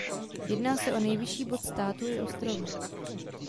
Jedná se o nejvyšší bod státu i ostrova.